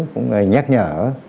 cũng nhắc nhở